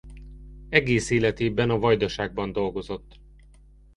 Egész életében a Vajdaságban dolgozott.